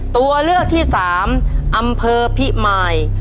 ตัวเลือกที่สามอำเภอพิมาย